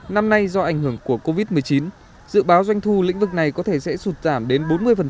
năm nay do ảnh hưởng của covid một mươi chín dự báo doanh thu lĩnh vực này có thể sẽ sụt giảm đến bốn mươi